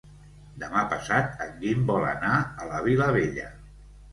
Demà passat en Guim vol anar a la Vilavella.